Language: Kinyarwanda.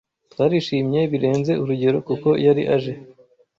Twarishimye birenze urugero kuko yari aje